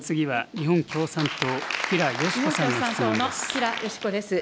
日本共産党の吉良よし子です。